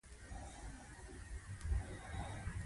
لارښود د نظم او دوام تضمین کوي.